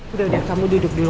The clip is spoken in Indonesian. udah udah kamu duduk dulu